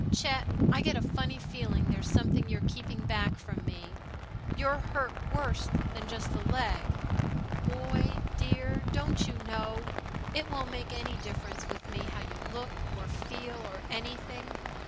Chet, I got a funny feeling there's something you're keeping back from me. You're hurt worse than just the leg. Boy, dear, don't you know it won't make any difference with me how you look, or feel, or anything?